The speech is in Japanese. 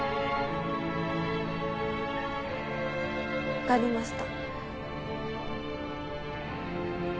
わかりました。